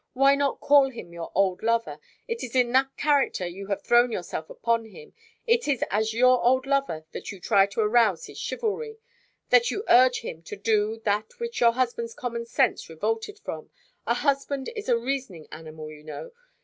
Why not call him your old lover? It is in that character you have thrown yourself upon him; it is as your old lover that you try to arouse his chivalry, that you urge him to do that which your husband's common sense revolted from. A husband is a reasoning animal, you know.